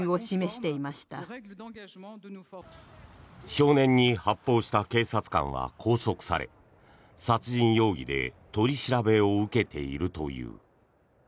少年に発砲した警察官は拘束され殺人容疑で取り調べを受けているという。